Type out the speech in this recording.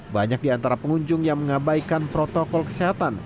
banyak di antara pengunjung yang mengabaikan protokol kesehatan